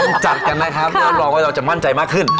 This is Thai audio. ต้องจัดกันนะครับแล้วเราต้องมั่นใจมากขึ้น